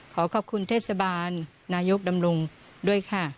ขอขอบคุณเทศบาลนายกดำรงด้วยค่ะ